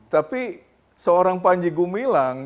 tapi seorang panji gumilang